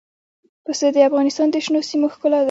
پسه د افغانستان د شنو سیمو ښکلا ده.